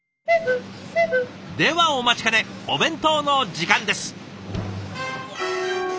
ではお待ちかねお弁当の時間です。